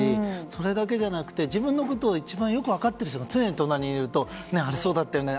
それだけじゃなくて自分のことを一番分かってる人が常に隣にいるとあれそうだったよね